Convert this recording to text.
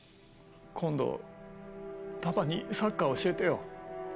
今度パパにサッカー教えてよ。